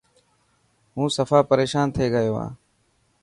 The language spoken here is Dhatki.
هون سفا پريشان ٿي گيو هان.